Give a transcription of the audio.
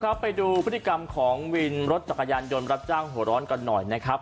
ไปดูพฤติกรรมของวินรถจักรยานยนต์รับจ้างหัวร้อนกันหน่อยนะครับ